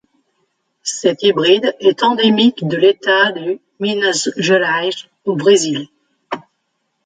Cet hybride est endémique de l'État du Minas Gerais au Brésil.